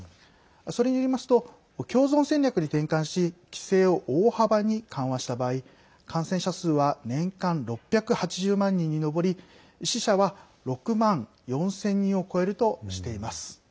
それによりますと共存戦略に転換し規制を大幅に緩和した場合感染者数は年間６８０万人に上り死者は６万４０００人を超えるとしています。